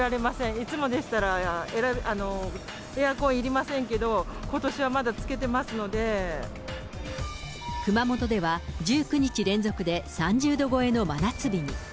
いつもでしたら、エアコンいりませんけど、熊本では、１９日連続で３０度超えの真夏日に。